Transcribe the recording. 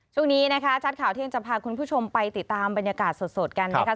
ช่วงนี้นะคะชัดข่าวเที่ยงจะพาคุณผู้ชมไปติดตามบรรยากาศสดกันนะคะ